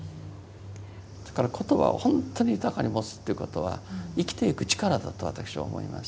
言葉をほんとに豊かに持つということは生きていく力だと私は思います。